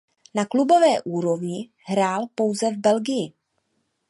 Na klubové úrovni hrál pouze v Belgii.